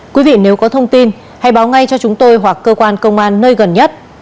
quý vị nếu có thông tin hãy báo ngay cho chúng tôi hoặc cơ quan công an nơi gần nhất